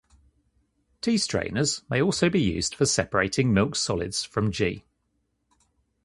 Tea strainers may also be used for separating milk solids from ghee.